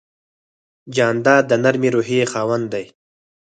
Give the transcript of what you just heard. جانداد د نرمې روحیې خاوند دی.